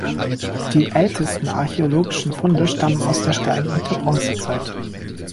Die ältesten archäologischen Funde stammen aus der Stein- und der Bronzezeit.